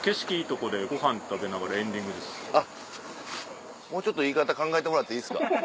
あっもうちょっと言い方考えてもらっていいですか。